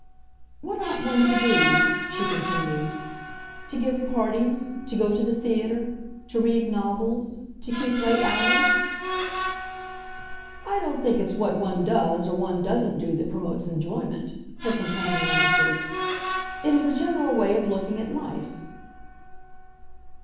"What ought one to do?" she continued. "To give parties, to go to the theatre, to read novels, to keep late hours?" "I don't think it's what one does or one doesn't do that promotes enjoyment," her companion answered. "It is the general way of looking at life."